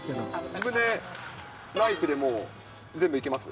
自分でナイフで全部いけます？